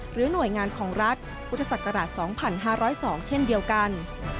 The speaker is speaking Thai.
หน่วยงานของรัฐพุทธศักราช๒๕๐๒เช่นเดียวกัน